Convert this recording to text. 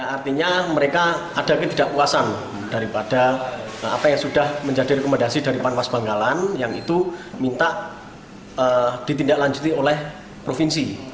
artinya mereka ada ketidakpuasan daripada apa yang sudah menjadi rekomendasi dari panwas bangkalan yang itu minta ditindaklanjuti oleh provinsi